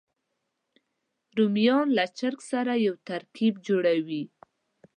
رومیان له چرګ سره یو ترکیب جوړوي